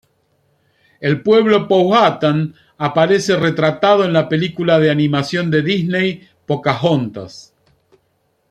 El pueblo powhatan aparece retratado en la película de animación de Disney, "Pocahontas".